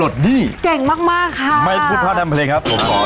เดี๋ยวผมเล่าต่อก็ได้นะ